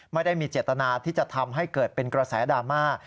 ไม่ได้มีเจตนาที่จะทำให้เกิดเป็นกระแสดราม่า